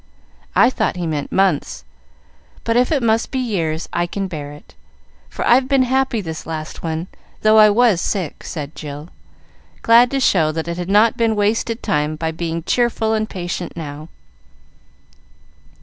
I thought he meant months; but if it must be years, I can bear it, for I've been happy this last one though I was sick," said Jill, glad to show that it had not been wasted time by being cheerful and patient now.